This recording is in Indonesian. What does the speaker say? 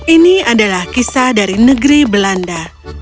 ini adalah kisah dari negeri belanda